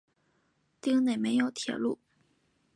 町内没有铁路。